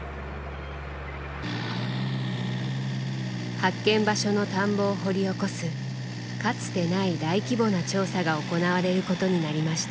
発見場所の田んぼを掘り起こすかつてない大規模な調査が行われることになりました。